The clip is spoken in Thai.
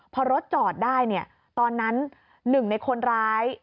พอรถจอดได้เนี่ยตอนนั้นหนึ่งในคนร้าย